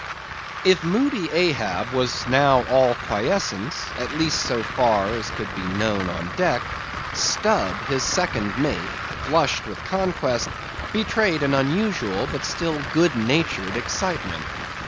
If moody Ahab was now all quiescence, at least so far as could be known on deck, Stubb, his second mate, flushed with conquest, betrayed an unusual but still good natured excitement.